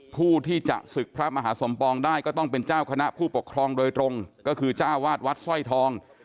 ผู้ที่จะศึกพระมหาสมปองได้ก็ต้องเป็นเจ้าคณะผู้ปกครองโดยตรงก็คือจ้าวาดวัดสร้อยทอง